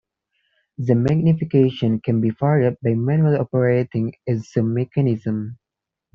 The magnification can be varied by manually operating a zoom mechanism.